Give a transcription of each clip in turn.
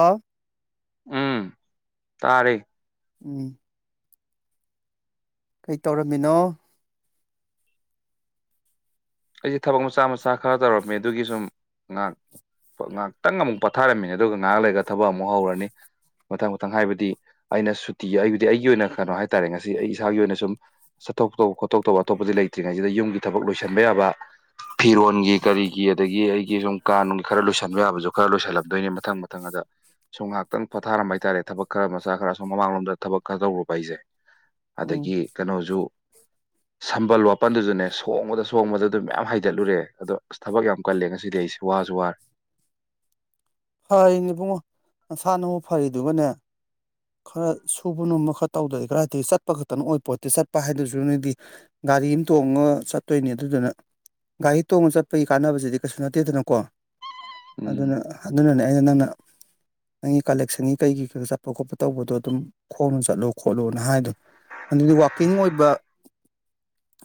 ꯑꯥ ꯎꯝ ꯇꯥꯔꯦ ꯎꯝ ꯀꯩ ꯇꯧꯔꯝꯃꯤꯅꯣ ꯑꯩꯁꯦ ꯊꯕꯛ ꯃꯆꯥ ꯃꯆꯥ ꯈꯔ ꯇꯧꯔꯝꯃꯦ ꯑꯗꯨꯒꯤ ꯁꯨꯝ ꯉꯍꯥꯛ ꯉꯥꯏꯍꯥꯛꯇꯪ ꯑꯃꯨꯛ ꯄꯥꯊꯥꯔꯝꯃꯤꯅꯦ ꯑꯗꯨꯒ ꯉꯥꯏꯍꯥꯛ ꯂꯩꯒ ꯊꯕꯛ ꯑꯃꯨꯛ ꯍꯧꯔꯅꯤ ꯃꯊꯪ ꯃꯊꯪ ꯍꯥꯏꯕꯗꯤ ꯑꯩꯅ ꯁꯨꯇꯤ ꯑꯩꯕꯨꯗꯤ ꯑꯩꯒꯤ ꯑꯣꯏꯅ ꯀꯩꯅꯣ ꯍꯥꯏꯇꯥꯔꯦ ꯉꯁꯤ ꯑꯩ ꯏꯁꯥꯒꯤ ꯑꯣꯏꯅ ꯁꯨꯝ ꯆꯠꯊꯣꯛ ꯇꯧꯕ ꯈꯣꯠꯇꯣꯛ ꯇꯧꯕ ꯑꯇꯣꯞꯄꯗꯤ ꯂꯩꯇ꯭ꯔꯤꯉꯩꯁꯤꯗ ꯌꯨꯝꯒꯤ ꯊꯕꯛ ꯂꯣꯏꯁꯤꯟꯕ ꯌꯥꯕ ꯐꯤꯔꯣꯟꯒꯤ ꯀꯔꯤꯒꯤ ꯑꯗꯒꯤ ꯑꯩꯒꯤ ꯁꯨꯝ ꯀꯥꯟꯒꯤ ꯈꯔ ꯂꯣꯏꯁꯟꯕ ꯌꯥꯕꯁꯨ ꯈꯔ ꯂꯣꯏꯁꯜꯂꯝꯗꯣꯏꯅꯦ ꯃꯊꯪ ꯃꯊꯪ ꯑꯗ ꯁꯨꯝ ꯉꯥꯏꯍꯥꯛꯇꯪ ꯐꯠꯊꯥꯔꯝꯕ ꯍꯥꯏꯇꯥꯔꯦ ꯊꯕꯛ ꯈꯔ ꯃꯆꯥ ꯈꯔ ꯁꯨꯝ ꯃꯃꯥꯡꯂꯣꯝꯗ ꯊꯕꯛ ꯈꯔ ꯇꯧꯔꯨꯕ ꯑꯩꯁꯦ ꯎꯝ ꯑꯗꯒꯤ ꯀꯩꯅꯣꯁꯨ ꯁꯝꯕꯜ ꯋꯥꯄꯜꯗꯨꯁꯨꯅꯦ ꯁꯣꯡꯕꯗ ꯆꯣꯡꯕꯗ ꯑꯗꯨꯝ ꯃꯌꯥꯝ ꯍꯩꯖꯠꯂꯨꯔꯦ ꯑꯗꯣ ꯑꯁ ꯊꯕꯛ ꯌꯥꯝ ꯀꯜꯂꯦ ꯉꯁꯤꯗꯤ ꯑꯩꯁꯨ ꯋꯥꯁꯨ ꯋꯥꯔꯦ ꯐꯩꯅꯦ ꯄꯨꯡꯉꯣ ꯅꯁꯥꯅ ꯑꯃꯨꯛ ꯐꯔꯤꯗꯨꯒꯅꯦ ꯈꯔ ꯁꯨꯕ ꯅꯣꯝꯕ ꯈꯔ ꯇꯧꯗꯦ ꯈꯔꯗꯤ ꯆꯠꯄ ꯈꯛꯇꯅ ꯑꯣꯏ ꯄꯣꯠꯇꯤ ꯆꯠꯄ ꯍꯥꯏꯗꯨꯁꯨ ꯅꯗꯤ ꯒꯥꯔꯤ ꯑꯃ ꯇꯣꯡꯉ ꯆꯠꯇꯣꯏꯅꯤ ꯑꯗꯨꯗꯨꯅ ꯒꯥꯔꯤ ꯇꯣꯡꯉ ꯆꯠꯄꯒꯤ ꯀꯥꯟꯅꯕꯁꯤꯗꯤ ꯀꯩꯁꯨ ꯅꯠꯇꯦꯗꯅꯀꯣ ꯎꯝ ꯑꯗꯨꯅ ꯑꯗꯨꯅꯅꯦ ꯑꯩꯅ ꯅꯪꯅ ꯅꯪꯒꯤ ꯀꯂꯦꯛꯁꯟꯒꯤ ꯀꯩꯒꯤꯩꯣ ꯆꯠꯄ ꯈꯣꯠꯄ ꯇꯧꯕꯗꯣ ꯑꯗꯨꯝ ꯈꯣꯡꯅ ꯆꯠꯂꯣ ꯈꯣꯠꯂꯨꯅ ꯍꯥꯏꯗꯣ ꯑꯗꯨꯗꯤ ꯋꯥꯋꯀꯤꯡ ꯑꯣꯏꯕ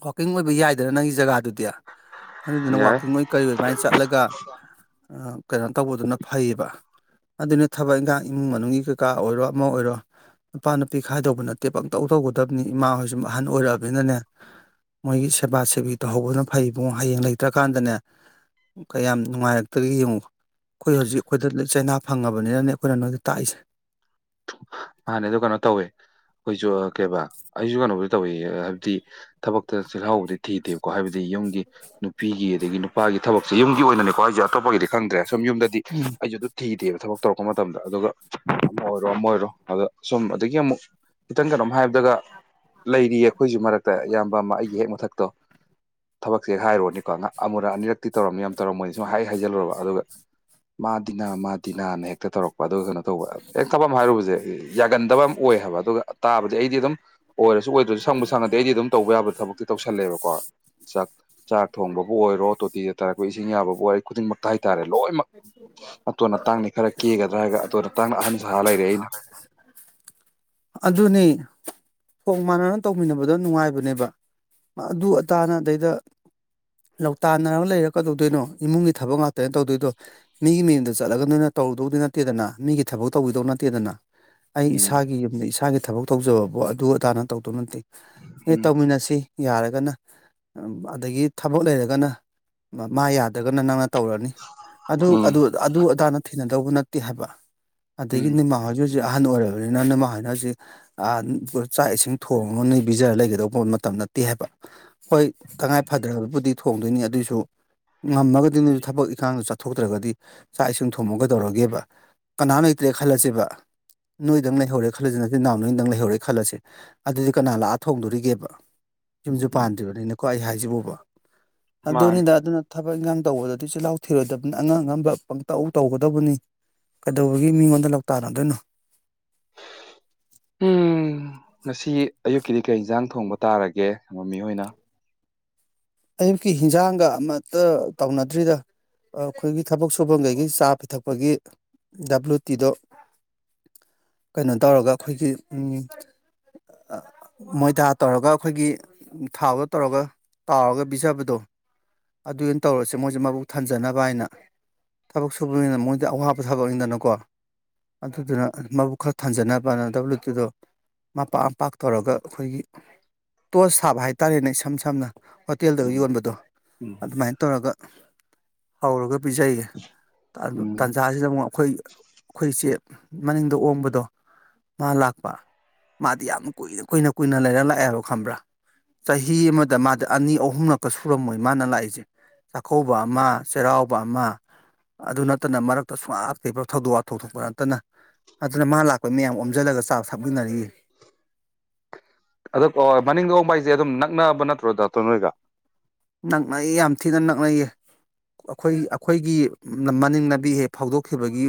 ꯋꯥꯋꯀꯤꯡ ꯑꯣꯏꯕ ꯌꯥꯏꯗꯅ ꯅꯪꯒꯤ ꯖꯒꯥꯗꯨꯗꯤ ꯍꯟꯗꯨꯅ ꯌꯥꯏ ꯋꯥꯛꯀꯤꯡ ꯑꯣꯏꯅ ꯀꯔꯤ ꯑꯣꯏ ꯑꯗꯨꯃꯥꯏ ꯆꯠꯂꯒ ꯀꯩꯅꯣ ꯇꯧꯕꯗꯨꯅ ꯐꯩꯌꯦꯕ ꯑꯗꯨꯅꯦ ꯊꯕꯛ ꯏꯟꯈꯥꯡ ꯏꯃꯨꯡ ꯃꯅꯨꯡꯒꯤ ꯀꯩꯀꯥ ꯑꯣꯏꯔꯣ ꯑꯃ ꯑꯣꯏꯔꯣ ꯅꯨꯄꯥ ꯅꯨꯄꯤ ꯈꯥꯏꯗꯧꯕ ꯅꯠꯇꯦ ꯄꯪꯇꯧ ꯇꯧꯒꯗꯕꯅꯤ ꯏꯃꯥ ꯍꯣꯏꯁꯨ ꯑꯍꯟ ꯑꯣꯏꯔꯛꯑꯕꯅꯤꯅꯅꯦ ꯃꯣꯏꯒꯤ ꯁꯦꯕꯥ ꯁꯦꯕꯤ ꯇꯧꯍꯧꯕꯅ ꯐꯩꯕꯨꯡ ꯍꯌꯦꯡ ꯂꯩꯇ꯭ꯔꯀꯥꯟꯗꯅꯦ ꯀꯌꯥꯝ ꯅꯨꯡꯉꯥꯏꯔꯛꯇꯒꯦ ꯌꯦꯡꯉꯨ ꯑꯩꯈꯣꯏ ꯍꯧꯖꯤꯛ ꯑꯩꯈꯣꯏꯗ ꯆꯩꯅꯥ ꯐꯪꯉꯕꯅꯤꯅꯅꯦ ꯑꯩꯈꯣꯏꯅ ꯅꯣꯏꯗ ꯇꯥꯛꯏꯁꯦ ꯃꯥꯅꯦ ꯑꯗꯨ ꯀꯩꯅꯣ ꯇꯧꯋꯦ ꯑꯩꯈꯣꯏꯁꯨ ꯀꯩꯕꯥ ꯑꯩꯁꯨ ꯀꯩꯅꯣꯗ ꯇꯧꯋ ꯍꯥꯏꯕꯗꯤ ꯊꯕꯛꯇ ꯆꯤꯜꯍꯥꯎꯗꯤ ꯊꯤꯗꯦꯕꯀꯣ ꯍꯥꯏꯕꯗꯤ ꯌꯨꯝꯒꯤ ꯅꯨꯄꯤꯒꯤ ꯑꯗꯒꯤ ꯅꯨꯄꯥꯒꯤ ꯊꯕꯛꯁꯦ ꯌꯨꯝꯒꯤ ꯑꯣꯏꯅꯀꯣ ꯑꯩꯁꯦ ꯑꯇꯣꯄꯒꯤꯗꯤ ꯈꯪꯗ꯭ꯔꯦ ꯁꯨꯝ ꯌꯨꯝꯗꯗꯤ ꯎꯝ ꯑꯩꯁꯨ ꯑꯗꯨꯝ ꯊꯤꯗꯦꯕ ꯊꯕꯛ ꯇꯧꯔꯛꯄ ꯃꯇꯝꯗ ꯑꯗꯨꯒ ꯑꯣꯏꯔꯣ ꯑꯃ ꯑꯣꯏꯔꯣ ꯑꯗꯣ ꯁꯨꯝ ꯑꯗꯒꯤ ꯑꯃꯨꯛ ꯈꯤꯇꯪ ꯀꯩꯅꯣꯝ ꯍꯥꯏꯕꯗꯒ ꯂꯩꯔꯤꯌꯦ ꯑꯩꯈꯣꯏꯁꯨ ꯃꯔꯛꯇ ꯏꯌꯥꯝꯕ ꯑꯃ ꯑꯩꯒꯤ ꯍꯦꯛ ꯃꯊꯛꯇꯣ ꯊꯕꯛꯁꯦꯦꯛ ꯍꯥꯏꯔꯨꯔꯅꯤꯀꯣ ꯉ ꯑꯃꯨꯔꯛ ꯑꯅꯤꯔꯛ ꯇꯤꯧꯔꯝꯃꯤ ꯌꯥꯝ ꯇꯧꯔ ꯃꯣꯏꯅ ꯁ ꯍꯥꯏ ꯍꯥꯏꯖꯜꯂꯨꯔꯕ ꯑꯗꯨꯒ ꯃꯥ ꯗꯤꯅꯥ ꯃꯥ ꯗꯤꯅꯥꯅ ꯍꯦꯛꯇ ꯇꯧꯔꯛꯄ ꯑꯗꯨꯒ ꯀꯩꯅꯣ ꯇꯧꯕ ꯍꯦꯛ ꯊꯛꯐꯝ ꯑꯃ ꯍꯥꯏꯔꯨꯕꯁꯦ ꯌꯥꯒꯟꯗꯕ ꯑꯃ ꯑꯣꯏ ꯍꯥꯏꯕ ꯑꯗꯨꯒ ꯇꯥꯕꯗꯤ ꯑꯩꯗꯤ ꯑꯗꯨꯝ ꯑꯣꯏꯔꯁꯨ ꯑꯣꯏꯗ꯭ꯔꯁꯨ ꯁꯪꯕ ꯁꯪꯉꯗꯗꯤ ꯑꯩꯗꯤ ꯑꯗꯨꯝ ꯇꯧꯕ ꯌꯥꯕ ꯊꯕꯛꯇꯤ ꯇꯧꯁꯜꯂꯦꯕꯀꯣ ꯆꯥꯛ ꯆꯥꯛ ꯊꯣꯡꯕꯕꯨ ꯑꯣꯏꯔꯣ ꯇꯣꯇꯤꯗ ꯇꯥꯔꯛꯄ ꯏꯁꯤꯡ ꯌꯥꯕꯕꯨ ꯑꯣꯏꯔ ꯈꯨꯗꯤꯡꯃꯛꯇ ꯍꯥꯏꯇꯥꯔꯦ ꯂꯣꯏꯅꯃꯛ ꯑꯇꯣꯟ ꯑ ꯇꯥꯡꯅꯤ ꯈꯔ ꯀꯦꯒꯗ꯭ꯔꯥ ꯍꯥꯏꯒ ꯑꯇꯣꯅ ꯇꯥꯡꯅ ꯑꯍꯟ ꯁꯥ ꯂꯩꯔꯦ ꯑꯩꯅ ꯑꯗꯨꯅꯤ ꯍꯣꯡ ꯃꯥꯟꯅꯅ ꯇꯧꯃꯤꯟꯅꯕꯗꯣ ꯅꯨꯡꯉꯥꯏꯕꯅꯦꯕ ꯑꯗꯨ ꯑꯇꯥꯅ ꯑꯗꯩꯗ ꯂ ꯂꯧꯇꯥꯟꯅꯔꯒ ꯂꯩꯔ ꯀꯗꯧꯗꯣꯏꯅꯣ ꯏꯃꯨꯡꯒꯤ ꯊꯕꯛ ꯉꯥꯛꯇ ꯀꯃꯩꯅꯣ ꯇꯧꯗꯣꯏꯗꯣ ꯃꯤꯒꯤ ꯃꯤꯌꯨꯝꯗ ꯆꯠꯂꯒ ꯅꯅꯤꯅ ꯇꯧꯔꯨꯗꯧꯗꯤ ꯅꯠꯇꯦꯗꯅ ꯃꯤꯒꯤ ꯊꯕꯛ ꯇꯧꯕꯤꯗꯧ ꯅꯠꯇꯦꯗꯅ ꯑꯩ ꯎꯝ ꯏꯁꯥꯒꯤ ꯌꯨꯝꯗ ꯏꯁꯥꯒꯤ ꯊꯕꯛ ꯇꯧꯖꯕꯕꯨꯣ ꯑꯗꯨ ꯑꯗꯥꯅ ꯇꯧꯗꯧ ꯅꯠꯇꯦ ꯑꯦ ꯎꯝ ꯇꯧꯃꯤꯟꯅꯁꯤ ꯌꯥꯔꯒꯅ ꯑꯗꯒꯤ ꯊꯕꯛ ꯂꯩꯔꯒꯅ ꯃꯥ ꯌꯥꯗ꯭ꯔꯒꯅ ꯅꯪ ꯇꯧꯔꯅꯤ ꯑꯗꯨ ꯎꯝ ꯑꯗꯨ ꯑꯗꯥꯅ ꯊꯤꯅꯗꯧꯕ ꯅꯠꯇꯦ ꯍꯥꯏꯕ ꯎꯝ ꯑꯗꯒꯤꯅꯦꯃꯥ ꯍꯧꯖꯤꯛ ꯍꯧꯖꯤꯛ ꯑꯍꯟ ꯑꯣꯏꯔꯕ ꯂꯣꯏꯅꯅ ꯃꯥ ꯍꯥꯏꯅ ꯍꯧꯁꯤ ꯆꯥꯛ ꯏꯁꯤꯡ ꯊꯣꯡꯉꯒ ꯄꯤꯖꯔ ꯂꯩꯒꯗꯧꯕ ꯃꯇꯝ ꯅꯠꯇꯦ ꯍꯥꯏꯕ ꯍꯣꯏ ꯇꯉꯥꯏ ꯐꯗ꯭ꯔꯕꯕꯨꯗꯤ ꯊꯣꯡꯗꯣꯏꯅꯤ ꯑꯗꯨꯏꯁꯨ ꯉꯃꯒ ꯊꯕꯛ ꯏꯈꯥꯡ ꯆꯠ ꯊꯣꯛꯇ꯭ꯔꯒꯗꯤ ꯆꯥꯛ ꯏꯁꯤꯡ ꯊꯣꯝꯃꯒ ꯇꯧꯔꯒꯦꯕ ꯀꯅꯥ ꯂꯩꯇ꯭ꯔꯦ ꯈꯜꯂꯁꯦꯕ ꯅꯣꯏꯗꯪ ꯂꯩꯍꯧꯔꯦ ꯈꯜꯂꯁꯤ ꯅꯠꯇꯦ ꯅꯅꯥꯎ ꯅꯣꯏꯗꯪ ꯂꯩꯍꯧꯔꯦ ꯈꯜꯂꯁꯦ ꯑꯗꯨꯗꯤ ꯀꯅꯥ ꯂꯥꯛꯑ ꯊꯣꯡꯗꯣꯔꯤꯒꯦꯕ ꯌꯨꯝꯁꯨ ꯄꯥꯟꯗ꯭ꯔꯤꯕꯅꯤꯅꯀꯣ ꯑꯩ ꯍꯥꯏꯖꯕꯕ ꯃꯥꯅꯤ ꯑꯗꯨꯅꯤꯗ ꯑꯗꯨꯅ ꯊꯕꯛ ꯏꯟꯈꯥꯡ ꯇꯧꯕꯗ ꯑꯗꯨꯏꯤꯜꯍꯥꯎ ꯊꯤꯔꯣꯏꯗꯕꯅꯤ ꯑꯉꯥꯡ ꯑꯉꯝꯕ ꯄꯪꯇꯎ ꯇꯧꯒꯗꯕꯅꯤ ꯀꯩꯗꯧꯕꯒꯤ ꯃꯤꯉꯣꯟꯗ ꯂꯣꯛꯇꯔꯗꯣꯏꯅꯣ ꯎꯝ ꯉꯁꯤ ꯑꯌꯨꯛꯀꯤꯗꯤ ꯀꯩ ꯏꯟꯁꯥꯡ ꯊꯣꯡꯕ ꯇꯥꯔꯒꯦ ꯃꯃꯤꯍꯣꯏꯅ ꯑꯌꯨꯛꯀꯤ ꯍꯟꯖꯥꯡꯒ ꯑꯃꯇ ꯇꯧꯅꯗ꯭ꯔꯤꯗ ꯑꯩꯈꯣꯏꯒꯤ ꯊꯕꯛ ꯁꯨꯐꯝꯈꯩꯒꯤ ꯆꯥ ꯄꯤꯊꯛꯄꯒꯤ ꯗꯕ꯭ꯂꯨ ꯇꯤꯗꯣ ꯀꯩꯅꯣ ꯇꯧꯔꯒ ꯑꯩꯈꯣꯏꯒꯤ ꯃꯣꯏꯊꯥ ꯇꯧꯔꯒ ꯑꯩꯈꯣꯏꯒꯤ ꯊꯥꯎꯗ ꯇꯧꯔꯒ ꯇꯥꯎꯔꯒ ꯄꯤꯖꯕꯗꯣ ꯑꯗꯨ ꯑꯣꯏꯅ ꯇꯧꯔꯁꯦ ꯃꯣꯏꯁꯦ ꯃꯕꯨ ꯊꯟꯖꯅꯕ ꯍꯥꯏꯅ ꯊꯕꯛ ꯁꯨꯕꯅꯤꯅ ꯃꯣꯏꯗꯤ ꯑꯋꯥꯕ ꯊꯕꯛꯅꯤꯗꯅꯀꯣ ꯑꯗꯨꯗꯨꯅ ꯃꯕꯨ ꯈꯔ ꯊꯥꯟꯖꯅꯕꯅ ꯗꯕ꯭ꯂꯤꯎ ꯇꯤꯗꯣ ꯃꯄꯥꯛ ꯃꯄꯥꯛ ꯇꯧꯔꯒ ꯑꯩꯈꯣꯏꯒꯤ ꯇꯣꯁ ꯁꯥꯕ ꯍꯥꯏꯇꯥꯔꯦꯅꯦ ꯏꯁꯝ ꯁꯝꯅ ꯍꯣꯇꯦꯜꯗ ꯎꯝ ꯌꯣꯟꯕꯗꯣ ꯎꯝ ꯑꯗꯨꯃꯥꯏꯅ ꯇꯧꯔꯒ ꯍꯧꯔꯒ ꯄꯤꯖꯩꯌꯦ ꯎꯝ ꯇꯥꯟꯖꯥꯁꯤꯗ ꯑꯃꯨꯛ ꯑꯩꯈꯣꯏ ꯑꯩꯈꯣꯏꯁꯦ ꯃꯅꯤꯡꯗ ꯑꯣꯡꯕꯗꯣ ꯃꯥ ꯂꯥꯛꯄ ꯃꯥꯗꯤ ꯌꯥꯝꯅ ꯀꯨꯏꯅ ꯀꯨꯏꯅ ꯀꯨꯏꯅ ꯂꯩꯔ ꯂꯥꯛꯑꯦ ꯍꯥꯏꯕ ꯈꯝꯕ꯭ꯔꯥ ꯆꯍꯤ ꯑꯃꯗ ꯃꯥ ꯑꯅꯤ ꯑꯍꯨꯝꯂꯛꯀ ꯁꯨꯔꯝꯃꯣꯏ ꯃꯥꯅ ꯂꯥꯛꯏꯁꯦ ꯆꯥꯛꯀꯧꯕ ꯑꯃ ꯆꯩꯔꯥꯎꯕ ꯑꯃ ꯑꯗꯨ ꯅꯠꯇꯅ ꯃꯔꯛꯇ ꯁꯨꯡꯉ ꯀꯩꯕ ꯊꯧꯗꯣꯛ ꯋꯥ ꯊꯣꯛ ꯊꯣꯛꯣꯛꯄ ꯅꯠꯇꯅ ꯑꯗꯨꯅ ꯃꯥ ꯂꯥꯛꯄꯩ ꯃꯌꯥꯝ ꯑꯣꯝꯁꯤꯜꯂꯒ ꯆꯥꯛ ꯊꯞꯃꯤꯟꯅꯔꯤ ꯑꯗꯣ ꯃꯅꯤꯡꯗ ꯍꯕ ꯍꯥꯏꯁꯦ ꯑꯗꯨꯝ ꯅꯛꯅꯕ ꯅꯠꯇ꯭ꯔꯣ ꯗꯥꯛꯇꯣ ꯅꯣꯏꯒ ꯅꯛꯅꯌꯦ ꯌꯥꯝ ꯊꯤꯅ ꯅꯛꯅꯩꯌꯦ ꯑꯩꯈꯣꯏ ꯑꯩꯈꯣꯏꯒꯤ ꯃꯅꯤꯡ ꯅꯥꯕꯤ ꯍꯦꯛ ꯐꯥꯎꯗꯣꯛꯈꯤꯕꯒꯤ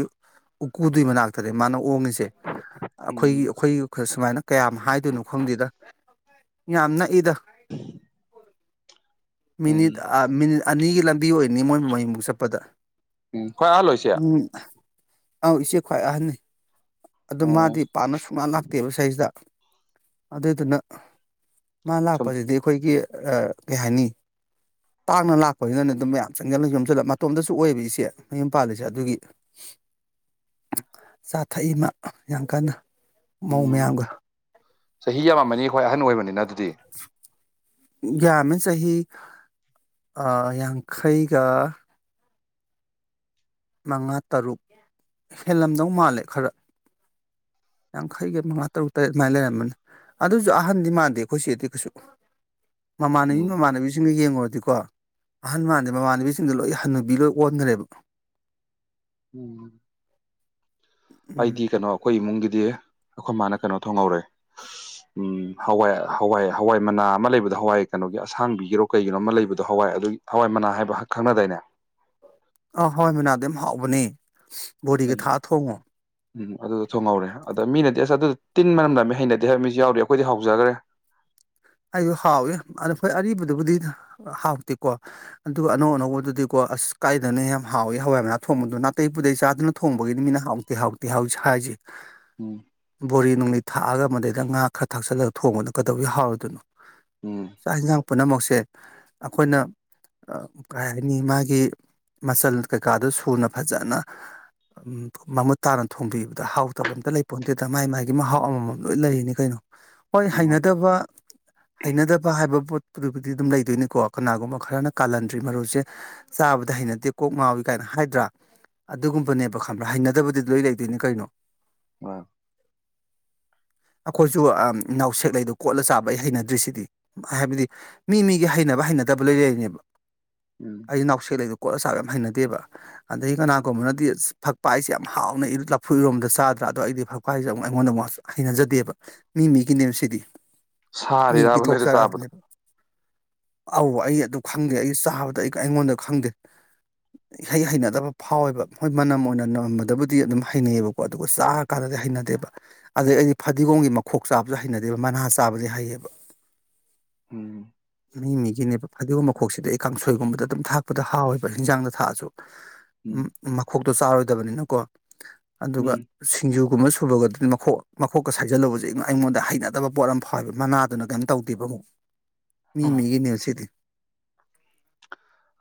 ꯎꯀꯨꯗꯨꯏ ꯃꯅꯥꯛꯇꯅꯦ ꯃꯥꯅ ꯑꯣꯡꯉꯤꯁꯦ ꯑꯩꯈꯣꯏꯒꯤ ꯎꯝ ꯑꯩꯈꯣꯏ ꯁꯨꯃꯥꯏꯅ ꯀꯌꯥꯝ ꯍꯥꯏꯗꯣꯏꯅꯣ ꯈꯪꯗꯦꯗ ꯌꯥꯝꯅ ꯏꯗ ꯃꯤꯅꯤꯠ ꯎꯝ ꯃꯤꯅꯤꯠ ꯑꯅꯤꯒꯤ ꯂꯝꯕꯤ ꯑꯣꯏꯅꯤ ꯃꯣꯏꯕꯨ ꯃꯌꯃꯨꯛ ꯆꯠꯄꯗ ꯎ ꯍꯣꯏ ꯑꯍꯥ ꯂꯣꯏꯁꯦ ꯎꯝ ꯑꯧ ꯏꯆꯦ ꯈ꯭ꯋꯥꯏ ꯑꯍꯟꯅꯤ ꯑꯗꯨ ꯑꯣ ꯃꯥꯗꯤ ꯄꯥꯅ ꯁꯨꯃꯥꯟ ꯂꯥꯛꯇꯦꯕ ꯁꯩꯁꯤꯗ ꯑꯗꯨꯏꯗꯨꯅ ꯃꯥ ꯁꯨꯝ ꯂꯥꯛꯄꯁꯤꯗꯤ ꯑꯩꯈꯣꯏꯒꯤ ꯀꯩ ꯍꯥꯏꯅꯤ ꯇꯥꯡꯅ ꯂꯥꯛꯄꯅꯤꯅꯅꯦ ꯑꯗꯨꯝ ꯃꯌꯥꯝ ꯆꯪꯁꯤꯜꯂ ꯆꯣꯝꯁꯤꯜꯂ ꯃꯇꯣꯝꯇꯁꯨ ꯑꯣꯏꯑꯕ ꯏꯆꯦ ꯃꯌꯨꯝ ꯄꯥꯜꯂꯤꯁꯦ ꯑꯗꯨꯒꯤ ꯆꯥ ꯊꯛꯏꯃ ꯌꯥꯝ ꯀꯟꯅ ꯃꯧ ꯎꯝ ꯃꯌꯥꯝꯒ ꯆꯍꯤ ꯌꯥꯝꯃꯅꯤ ꯑꯩꯈꯣꯏ ꯑꯍꯟ ꯑꯣꯏꯕꯅꯤꯅ ꯑꯗꯨꯗꯤ ꯌꯥꯝꯃꯦ ꯆꯍꯤ ꯌꯥꯡꯈꯩꯒ ꯃꯉꯥ ꯇꯔꯨꯛ ꯍꯦꯜꯂꯝꯗꯧ ꯃꯥꯜꯂꯦ ꯈꯔ ꯌꯥꯈꯩꯒ ꯃꯉꯥ ꯇꯔꯨꯛ ꯇꯔꯦꯠ ꯑꯗꯨꯃꯥꯏꯅ ꯂꯩꯔꯝꯕꯅꯤ ꯑꯗꯨꯁꯨ ꯑꯍꯟꯗꯤ ꯃꯥꯟꯗꯦ ꯑꯩꯈꯣꯏ ꯁꯤꯦꯗꯤ ꯀꯩꯁꯨ ꯃꯃꯥꯟꯅꯕꯤ ꯎꯝ ꯃꯃꯥꯟꯅꯕꯤꯁꯤꯡꯒ ꯌꯦꯡ ꯑꯣꯏꯗꯤꯀꯣ ꯑꯍꯜ ꯃꯥꯟꯗꯦ ꯃꯃꯥꯟꯅꯕꯤꯁꯤꯡꯗ ꯂꯣꯏ ꯍꯟꯅꯨꯕꯤ ꯂꯣꯏ ꯑꯣꯟꯈ꯭ꯔꯦꯕ ꯎꯝ ꯎꯝ ꯑꯩꯗꯤ ꯀꯩꯅꯣ ꯑꯩꯈꯣꯏ ꯏꯃꯨꯡꯒꯤꯗꯤ ꯑꯩꯈꯣꯏ ꯃꯥꯅ ꯀꯩꯅꯣ ꯊꯣꯡꯍꯧꯔꯦ ꯎꯝ ꯍꯋꯥꯏ ꯍꯋꯥꯏ ꯍꯋꯥꯏ ꯃꯅꯥ ꯑꯃ ꯂꯩꯕꯗꯣ ꯍꯋꯥꯏ ꯀꯩꯅꯣꯒꯤ ꯑꯁꯥꯡꯕꯤꯒꯤꯔꯣ ꯀꯩꯒꯤꯅꯣ ꯑꯃ ꯂꯩꯕꯗꯣ ꯍꯋꯥꯏ ꯑꯗꯨꯒꯤ ꯍꯋꯥꯏ ꯃꯅꯥ ꯍꯥꯏꯕ ꯍꯛ ꯈꯪꯅꯗꯣꯏꯅꯦ ꯑ ꯍꯣꯏ ꯃꯤꯅꯥꯗꯤ ꯌꯥꯝꯝ ꯍꯥꯎꯕꯅꯦ ꯕꯣꯔꯤꯒ ꯊꯥꯛꯑ ꯊꯣꯡꯉꯣ ꯎꯝ ꯑꯗꯨꯗ ꯊꯣꯡꯍꯧꯔꯦ ꯑꯗ ꯃꯤꯅꯗꯤ ꯑꯁ ꯑꯗꯨ ꯇꯤꯟ ꯃꯔꯝꯗ ꯃꯤ ꯍꯩꯅꯗꯦ ꯍꯥꯏꯕ ꯃꯤꯁꯨ ꯌꯥꯎꯔꯤ ꯑꯩꯈꯣꯏꯗꯤ ꯍꯧꯖꯈ꯭ꯔꯦ ꯑꯩꯁꯨ ꯍꯥꯎꯋ ꯑ ꯑꯩꯣꯏ ꯑꯔꯤꯕꯗꯨꯕꯨꯗꯤ ꯍꯥꯎꯇꯦꯀꯣ ꯑꯗꯨꯒ ꯑꯅꯧ ꯑꯅꯧꯕꯗꯨꯗꯤꯀꯣ ꯑꯁ ꯀꯥꯏꯗꯅ ꯌꯥꯝ ꯍꯥꯎꯏꯤ ꯍꯋꯥꯏ ꯃꯅꯥ ꯊꯣꯡꯕꯗꯣ ꯅꯥꯇꯩ ꯄꯨꯗꯩ ꯆꯥꯗꯨꯅ ꯊꯣꯡꯕꯒꯤꯗꯤ ꯃꯤꯅ ꯍꯥꯎꯇꯦ ꯍꯥꯎꯇꯦ ꯍꯥꯎ ꯍꯥꯏꯁꯦ ꯎꯝ ꯕꯣꯔꯤ ꯅꯅꯨꯡꯂꯤꯩ ꯊꯥꯛꯑꯒ ꯃꯗꯩꯗ ꯉꯥ ꯈꯔ ꯊꯛꯆꯜꯂꯒ ꯊꯣꯡꯕꯗ ꯀꯩꯗꯧꯤ ꯌꯥꯥꯎꯔꯔꯤꯣꯏꯅꯣ ꯎꯝ ꯆꯥꯛ ꯌꯦꯟꯁꯥꯡ ꯄꯨꯝꯅꯃꯛꯁꯦ ꯑꯩꯈꯣꯏꯅ ꯀꯩ ꯍꯥꯏꯅꯤ ꯃꯥꯒꯤ ꯃꯆꯜ ꯀꯩꯀꯥꯗꯨ ꯁꯨꯅ ꯐꯖꯅ ꯃꯃꯨꯠ ꯇꯥꯅ ꯊꯣꯡꯕꯤꯕꯗ ꯍꯥꯎꯇꯕ ꯑꯝꯇ ꯂꯩꯄꯣꯝꯗꯣꯏꯗ ꯃꯥꯏ ꯃꯥꯥꯏꯒꯤ ꯃꯍꯥꯎ ꯑꯃꯃꯝ ꯂꯣꯏ ꯂꯩꯔꯤꯅꯤ ꯀꯩꯅꯣ ꯍꯣꯏ ꯎꯝ ꯍꯩꯅꯗꯕ ꯍꯩꯅꯗꯕ ꯍꯥꯏ ꯍꯥꯏꯕ ꯄꯣꯠꯄꯗꯨꯕꯨꯗꯤ ꯑꯗꯨꯝ ꯂꯩꯗꯣꯏꯅꯤꯀꯣ ꯀꯅꯥꯒꯨꯝꯕ ꯈꯔꯅ ꯀꯥꯜꯍꯟꯗ꯭ꯔꯤ ꯃꯔꯨꯁꯦ ꯆꯥꯕꯗ ꯍꯩꯅꯗꯦ ꯀꯣꯛ ꯉꯥꯎꯏ ꯀꯥꯢꯅ ꯍꯥꯏꯗ꯭ꯔꯥ ꯑꯗꯨꯒꯨꯝꯕꯅꯦꯕ ꯈꯪꯕ꯭ꯔꯥ ꯍꯩꯅꯗꯕꯗꯤ ꯂꯣꯏ ꯂꯩꯗꯣꯏꯅꯤ ꯀꯩꯅꯣ ꯋꯥ ꯑꯩꯈꯣꯏꯁꯨ ꯅꯥꯎꯁꯦꯛ ꯂꯩꯗꯣ ꯀꯣꯠꯂ ꯆꯥꯕ ꯑꯩ ꯍꯩꯅ ꯗ꯭ꯔꯤꯁꯤꯗꯤ ꯍꯥꯏꯕꯗꯤ ꯃꯤ ꯃꯤꯒꯤ ꯍꯩꯅꯕ ꯍꯩꯅꯗꯕ ꯂꯣꯢ ꯂꯩꯅꯦꯕ ꯎꯝ ꯑꯩ ꯅꯥꯎꯁꯦꯛ ꯂꯩꯗꯣ ꯀꯣꯠꯂꯆꯥꯕ ꯌꯥꯝ ꯍꯩꯅꯗꯦꯕ ꯑꯗꯩ ꯀꯅꯥꯒꯨꯝꯕꯅꯗꯤ ꯑꯁ ꯐꯛꯄ ꯍꯥꯏꯁꯦ ꯌꯥꯝ ꯍꯥꯎꯅ ꯂꯐꯨ ꯏꯔꯣꯝꯗ ꯆꯥꯗ꯭ꯔꯦ ꯑꯗꯣ ꯑꯩꯗꯤ ꯐꯀꯋꯥꯁꯦ ꯑꯃꯨ ꯑꯩꯉꯣꯟꯗ ꯍꯩꯅꯖꯗꯦꯕ ꯃꯤ ꯃꯤꯒꯤꯅꯦ ꯁꯤꯗꯤ [inaudible] ꯃꯤ ꯁꯥꯔꯤꯔꯕ ꯅꯣꯏꯗ ꯆꯥꯕꯗ ꯄꯤꯊꯣꯛꯆꯔꯑꯕꯅꯦꯕ ꯑꯧ ꯑꯩ ꯑꯗꯨ ꯈꯪꯗꯦ ꯑꯩ ꯆꯥꯕꯗ ꯑꯩ ꯀ꯭ꯌꯥꯝ ꯑꯩꯉꯣꯟꯗ ꯈꯪꯗꯦ ꯍꯩ ꯍꯩꯅꯗꯕ ꯐꯥꯎꯋꯦꯕ ꯍꯣꯏ ꯃꯅꯝ ꯑꯣꯏꯅ ꯅꯝꯃꯗꯕꯨꯗꯤ ꯑꯗꯨꯝ ꯍꯩꯅꯩꯌꯦꯕꯀꯣ ꯑꯗꯨꯕꯨ ꯆꯥꯔ ꯀꯥꯟꯗꯗꯤ ꯍꯩꯅꯗꯦꯕ ꯑꯗꯩ ꯑꯩꯗꯤ ꯐꯗꯤꯒꯣꯝꯒꯤ ꯃꯈꯣꯛ ꯆꯥꯕꯁꯨ ꯍꯩꯅꯗꯦꯕ ꯃꯅꯥ ꯆꯥꯕꯗꯤ ꯍꯩꯌꯦꯕ [inaudible] ꯎꯝ ꯃꯤ ꯃꯤꯒꯤꯅꯦꯕ ꯐꯗꯤꯒꯨꯝꯕ ꯃꯈꯣꯛꯁꯤꯗ ꯑꯩ ꯀꯥꯡꯁꯣꯏꯒꯨꯝꯕꯗ ꯑꯗꯨꯝ ꯊꯥꯛꯄꯗ ꯍꯥꯎꯌꯦꯕ ꯍꯤꯟꯖꯥꯡꯗ ꯊꯥꯛꯑꯁꯨ ꯎꯝ ꯑꯨꯝ ꯃꯈꯣꯛꯇꯣ ꯆꯥꯔꯣꯏꯗꯕꯅꯤꯅꯀꯣ ꯑꯗꯨꯒ ꯎꯝ ꯁꯤꯡꯖꯨ ꯒꯨꯝꯕ ꯁꯨꯕꯒꯗꯤ ꯃꯈꯣꯛ ꯃꯈꯣꯛꯀ ꯁꯥꯏꯖꯜꯂꯨꯕꯁꯦ ꯑꯩꯉꯣꯟꯗ ꯍꯩꯅꯗꯕ ꯄꯣꯠ ꯑꯃ ꯐꯥꯎꯋꯦꯕ ꯃꯅꯥ ꯑꯗꯨꯅ ꯀꯩꯅꯝ ꯇꯧꯗꯦꯕ ꯑꯃꯨꯛ ꯃꯤ ꯃꯤꯒꯤꯅꯦꯕꯁꯤꯗꯤ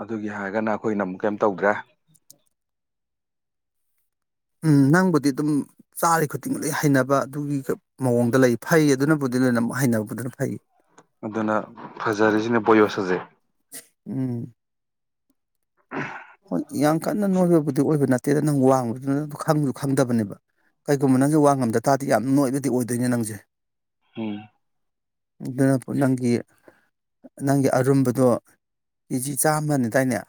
ꯑꯗꯨꯒꯤ ꯍꯥꯏꯔꯒꯅ ꯑꯩꯈꯣꯏꯅ ꯑꯃꯨꯛ ꯀꯩꯝ ꯇꯧꯗ꯭ꯔꯦ ꯎꯝ ꯅꯪꯕꯨꯗꯤ ꯑꯗꯨꯝ ꯆꯥꯔꯤ ꯈꯨꯗꯤꯡꯒꯤ ꯍꯩꯅꯕ ꯑꯗꯨꯒꯤ ꯃꯑꯣꯡꯗ ꯂꯩ ꯐꯩ ꯑꯗꯨꯅꯕꯨꯗꯤ ꯑꯗꯨꯅ ꯑꯃꯨꯛ ꯍꯩꯅꯕꯗꯨꯅ ꯐꯩ ꯑꯗꯨꯅ ꯐꯖꯥꯔꯤꯁꯤꯅ ꯕ‌ꯣꯌꯣꯁ ꯁꯖꯦ ꯎꯝ ꯍꯣꯢ ꯌꯥꯝ ꯀꯟꯅ ꯅꯣꯏꯕꯕꯨꯗꯤ ꯑꯣꯏꯕ ꯅꯠꯇꯦꯗ ꯅꯪ ꯋꯥꯡꯕꯗꯨꯅ ꯅꯪ ꯈꯪꯕꯁꯨ ꯈꯪꯗꯕꯅꯦꯕ ꯀꯩꯒꯨꯝꯕ ꯅꯪꯁꯦ ꯋꯥꯡꯉꯝꯗ ꯇꯥꯗꯤ ꯌꯥꯝ ꯅꯣꯏꯕꯗꯤ ꯑꯣꯏꯗꯣꯏꯅꯦ ꯅꯪꯁꯦ ꯎꯝ ꯑꯗꯨꯅ ꯄꯨ ꯅꯪꯒꯤ ꯅꯪꯒꯤ ꯑꯔꯨꯝꯕꯗꯣ ꯀꯦꯖꯤ ꯆꯥꯝꯃꯅꯦꯗꯥꯏꯅꯦ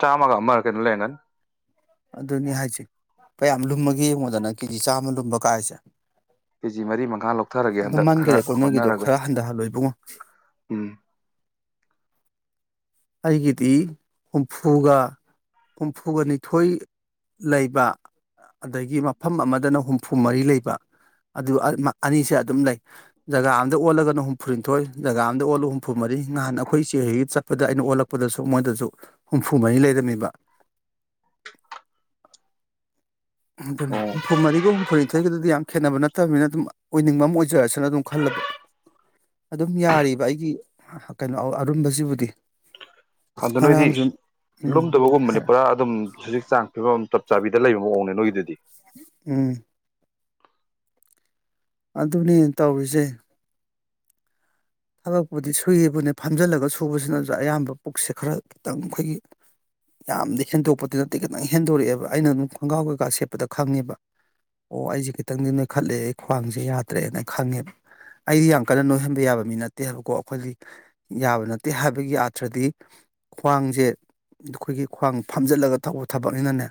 ꯆꯥꯝꯃꯒ ꯑꯃ ꯀꯩꯅꯣ ꯂꯩꯔꯝꯒꯅꯤ ꯑꯗꯨꯅꯤ ꯍꯥꯏꯁꯦ ꯀꯌꯥꯝ ꯂꯨꯝꯃꯒꯦ ꯌꯦꯡꯉꯣꯗꯅ ꯀꯦꯖꯤ ꯆꯥꯝꯃ ꯂꯨꯝꯕ ꯀꯥꯢꯁꯦ꯫ ꯀꯦꯖꯤ ꯃꯔꯤ ꯃꯉꯥ ꯂꯧꯊꯔꯒꯦ ꯍꯟꯗꯛ ꯈꯔ ꯂꯨꯝꯃꯟꯈꯔꯦꯀꯣ ꯅꯣꯏꯒꯤꯗꯣ ꯍꯣꯠꯅꯔꯒ ꯈꯔ ꯍꯟꯊꯍꯜꯂꯣꯏ ꯏꯕꯨꯡꯉꯣ ꯎꯝ ꯑꯩꯒꯤꯗꯤ ꯍꯨꯝꯐꯨꯒ ꯍꯨꯝꯐꯨꯒ ꯅꯤꯊꯣꯏ ꯂꯩꯕ ꯑꯗꯩꯒꯤ ꯃꯐꯝ ꯑꯃꯗꯅ ꯍꯨꯝꯐꯨ ꯃꯔꯤ ꯂꯩꯕ ꯑꯗꯨ ꯑꯅꯤꯁꯦ ꯑꯗꯨꯝ ꯂꯩ ꯖꯒꯥ ꯑꯃꯗ ꯑꯣꯜꯂꯒꯅ ꯍꯨꯝꯐꯨꯅꯤꯊꯣꯏ ꯖꯒꯥ ꯑꯃꯗ ꯑꯣꯜꯂꯒ ꯍꯨꯝꯐꯨ ꯃꯔꯤ ꯅꯍꯥꯟ ꯑꯩꯈꯣꯏ ꯏꯆꯦ ꯍꯣꯏꯒꯤ ꯆꯠꯄ ꯑꯗꯨꯗ ꯑꯩꯅ ꯑꯣꯜꯂꯛꯄꯗꯁꯨ ꯃꯣꯏꯗꯁꯨ ꯍꯨꯝꯐꯨ ꯃꯔꯤ ꯂꯩꯔꯝꯃꯤꯕ ꯑꯗꯨꯅꯤ ꯑꯣ ꯍꯨꯝꯐꯨꯃꯔꯤꯒ ꯍꯨꯝꯐꯨꯅꯤꯊꯣꯏꯒꯗꯤ ꯌꯥꯝ ꯈꯦꯠꯅꯕ ꯅꯠ ꯇꯕꯅꯤꯅ ꯑꯗꯨꯝ ꯑꯣꯏꯅꯤꯡꯕ ꯑꯃ ꯑꯣꯏꯖꯔꯁꯅꯨ ꯑꯗꯨꯝ ꯈꯜꯂꯕ ꯑꯗꯨꯝ ꯌꯥꯔꯤꯕ ꯑꯩꯒꯤ ꯀꯩꯅꯣ ꯑꯔꯨꯝꯕꯁꯤꯕꯨꯗꯤ ꯑꯗꯨꯗ ꯅꯣꯏꯗꯤ ꯉꯔꯥꯡꯁꯨ ꯎꯝ ꯂꯨꯝꯗꯕꯒꯨꯝꯕꯅꯤ ꯄꯨꯔꯥ ꯑꯗꯨꯝ ꯍꯧꯖꯤꯛ ꯆꯥꯡ ꯐꯤꯕꯝ ꯑꯃ ꯆꯞ ꯆꯥꯕꯤ ꯁꯤꯗ ꯂꯩꯕ ꯃꯑꯣꯡꯅꯦ ꯅꯣꯏꯒꯤꯗꯨꯗꯤ ꯎꯝ ꯑꯗꯨꯅꯦ ꯇꯧꯔꯤꯖꯦ ꯊꯕꯛꯄꯨꯗꯤ ꯁꯨꯏꯌꯦꯕꯨꯅꯦ ꯐꯝꯖꯤꯜꯂꯒ ꯁꯨꯕꯁꯤꯅꯁꯨ ꯑꯌꯥꯝꯕ ꯄꯨꯛꯁꯦ ꯈꯔ ꯈꯤꯇꯪ ꯑꯩꯈꯣꯏꯒꯤ ꯌꯥꯝꯗꯤ ꯍꯦꯟꯗꯣꯛꯄꯗꯤ ꯅꯠꯇꯦ ꯈꯤꯇꯪ ꯍꯦꯟꯗꯣꯔꯛꯑꯦꯕ ꯑꯩꯅ ꯑꯗꯨꯝ ꯈꯣꯡꯒ꯭ꯔꯥꯎ ꯀꯩꯀꯥ ꯁꯦꯠꯄꯗ ꯈꯪꯉꯦꯕ ꯑꯣ ꯑꯩꯁꯦ ꯈꯤꯇꯪꯗꯤ ꯅꯣꯢꯈꯠꯂꯦ ꯑꯩ ꯈ꯭ꯋꯥꯡꯁꯦ ꯌꯥꯗ꯭ꯔꯦꯅ ꯈꯪꯉꯦꯕ ꯑꯩꯗꯤ ꯌꯥꯝꯀꯟꯅ ꯅꯣꯏꯍꯟꯕ ꯌꯥꯕ ꯃꯤ ꯅꯠꯇꯦ ꯅꯠꯇꯦ ꯍꯥꯏꯕꯀꯣ ꯑꯩꯈꯣꯏꯒꯤ ꯌꯥꯕ ꯅꯠꯇꯦ ꯍꯥꯏꯕꯒꯤ ꯑꯥꯊ꯭ꯔꯗꯤ ꯈ꯭ꯋꯥꯡꯁꯦ ꯑꯩꯈꯣꯏꯒꯤ ꯈ꯭ꯋꯥꯡ ꯐꯝꯖꯤꯜꯂꯒ ꯇꯧꯕ ꯊꯕꯛꯅꯤꯅꯅꯦ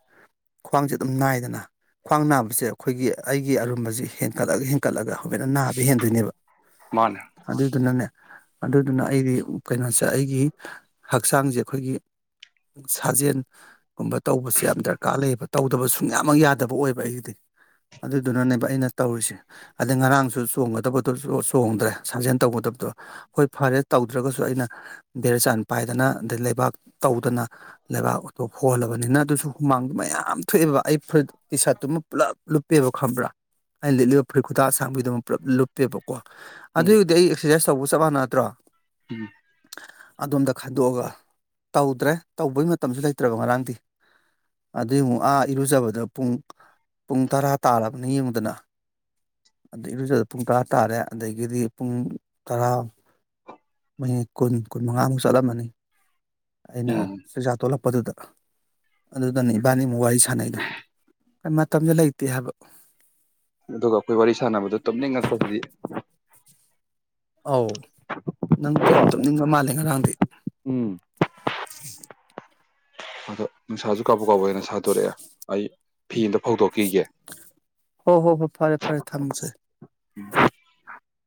ꯈ꯭ꯋꯥꯡꯁꯦ ꯑꯗꯨꯝ ꯅꯥꯏꯗꯅ ꯈ꯭ꯋꯥꯡ ꯅꯥꯕꯁꯦ ꯑꯩꯈꯣꯏꯒꯤ ꯑꯩꯒꯤ ꯑꯔꯨꯝꯕꯁꯦ ꯍꯦꯟꯀꯠꯂꯒ ꯍꯦꯟꯀꯠꯂꯒ ꯍꯦꯟꯅ ꯅꯥꯕ ꯍꯦꯟꯗꯣꯏꯅꯦꯕ ꯃꯅꯦ ꯅꯥꯅꯦ ꯑꯗꯨꯗꯨꯅ ꯑꯩꯒꯤ ꯀꯩꯅꯣꯁꯦ ꯑꯩꯒꯤ ꯍꯛꯆꯥꯡꯁꯦ ꯑꯩꯈꯣꯏꯒꯤ ꯁꯥꯖꯦꯜꯒꯨꯝꯕ ꯇꯧꯕꯁꯦ ꯌꯥꯝ ꯗꯔꯀꯥꯔ ꯂꯩꯌꯦꯕ ꯇꯧꯗꯕ ꯁꯨꯡꯌꯥꯃꯛ ꯌꯥꯗꯕ ꯑꯣꯏꯕ ꯑꯩꯒꯤꯗꯤ ꯑꯗꯨꯗꯨꯅꯅꯦꯕ ꯑꯩꯅ ꯇꯧꯔꯤꯁꯦ ꯑꯗꯩ ꯉꯔꯥꯡꯁꯨ ꯆꯣꯡꯒꯗꯕꯗꯨꯁꯨ ꯆꯣꯡꯗ꯭ꯔꯦ ꯁꯥꯖꯦꯟ ꯇꯧꯒꯗꯕꯗꯣ ꯍꯣꯏ ꯐꯔꯦ ꯇꯧꯗ꯭ꯔꯒꯁꯨ ꯑꯩꯅ ꯕꯦꯔ ꯆꯥꯟ ꯄꯥꯏꯗꯅ ꯑꯗꯩ ꯂꯩꯕꯥꯛ ꯇꯧꯗꯅ ꯂꯩꯕꯥꯛꯇꯣ ꯍ‌ꯣꯜꯂꯕꯅꯤꯅ ꯑꯗꯨꯁꯨ ꯍꯨꯃꯥꯡꯗꯨ ꯃꯌꯥꯝ ꯊꯣꯛꯑꯦꯕ ꯑꯩ ꯐꯨ ꯇꯤ ꯁꯥ꯭ꯔꯠꯇꯨꯃ ꯄꯨꯂꯞ ꯂꯨꯞꯄꯦꯕ ꯈꯪꯕ꯭ꯔꯥ ꯑꯩꯅ ꯂꯤꯠꯂꯤꯕ ꯐꯨꯔꯤꯠ ꯈꯨꯠꯇ ꯑꯁꯥꯡꯕꯤꯗꯨ ꯄꯨꯂꯞ ꯂꯨꯞꯄꯦꯕꯀꯣ ꯎꯝ ꯑꯗꯨꯒꯤꯕꯨꯗꯤ ꯑꯩ ꯑꯦꯛ ꯁ꯭ꯔꯁꯥꯏ ꯇꯧꯕ ꯆꯞ ꯃꯥꯟꯅꯇ꯭ꯔꯣ ꯎꯝ ꯑꯗꯣꯝꯗ ꯈꯥꯏꯗꯣꯛꯑꯒ ꯇꯧꯗ꯭ꯔꯦ ꯇꯧꯕꯒꯤ ꯃꯇꯝꯁꯨ ꯂꯩꯇ꯭ꯔꯒ ꯉꯔꯥꯡꯗꯤ ꯑꯗꯨꯏ ꯑꯃꯨꯛ ꯑꯥ ꯏꯔꯨꯖꯕꯗꯨ ꯄꯨꯡ ꯄꯨꯡ ꯇꯔꯥ ꯇꯥꯔꯕꯅꯤ ꯌꯦꯡꯉꯗꯅ ꯑꯗꯩ ꯏꯔꯨꯖꯗ ꯄꯨꯡ ꯇꯔꯥ ꯇꯥꯔꯦ ꯑꯗꯒꯤꯗꯤ ꯄꯨꯡ ꯇꯔꯥ ꯃꯤꯅꯤꯠ ꯀꯨꯟ ꯀꯨꯟ ꯃꯉꯥꯃꯨꯛ ꯆꯠꯂꯝꯃꯅꯤ ꯑꯩꯅ ꯎꯝ ꯆꯤꯟꯖꯥꯛ ꯇꯣꯂꯛꯄꯗꯨꯗ ꯑꯗꯨꯗꯅꯦ ꯏꯕꯥꯅꯤꯃꯨꯛ ꯋꯥꯔꯤ ꯁꯥꯟꯅꯩꯗꯣ ꯃꯇꯝꯗꯨ ꯂꯩꯇꯦ ꯍꯥꯏꯕ ꯑꯗꯨꯒ ꯑꯩꯈꯣꯏ ꯋꯥꯔꯤ ꯁꯥꯟꯅꯕꯗꯣ ꯇꯨꯝꯅꯤꯡ ꯉꯛ ꯄꯗꯨꯗꯤ ꯑꯧ ꯅꯪ ꯌꯥꯝ ꯇꯨꯝꯅꯤꯡꯕ ꯃꯥꯜꯂꯦ ꯉꯔꯥꯡꯗꯤ ꯎꯝ ꯑꯗꯣ ꯅꯨꯡꯁꯥꯁꯨ ꯀꯥꯎꯕ ꯀꯥꯎꯕꯅ ꯁꯥꯗꯣꯔꯛꯑꯦ ꯑꯩ ꯐꯤꯗ ꯍꯣ ꯍꯣ ꯍꯣꯏ ꯐꯔꯦ ꯐꯔꯦ ꯊꯝꯖꯦ [unintelligible]